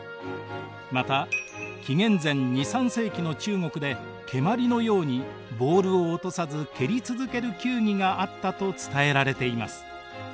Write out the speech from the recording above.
また紀元前２３世紀の中国で蹴まりのようにボールを落とさず蹴り続ける球技があったと伝えられています。